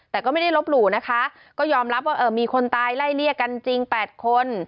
แต่ก็ไม่ได้ลบหลู่นะคะก็ยอมรับว่ามีคนตายไล่เลี่ยกันจริง๘คน